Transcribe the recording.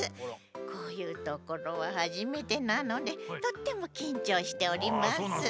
こういうところははじめてなのでとってもきんちょうしております。